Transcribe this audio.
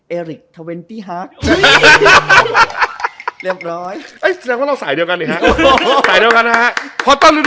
เอริกทาเวนติฮาร์ด